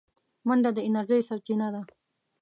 منډه د انرژۍ سرچینه ده